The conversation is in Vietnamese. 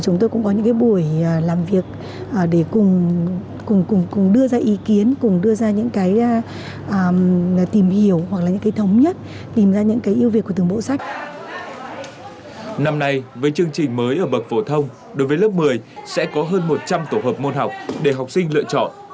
năm nay với chương trình mới ở bậc phổ thông đối với lớp một mươi sẽ có hơn một trăm linh tổ hợp môn học để học sinh lựa chọn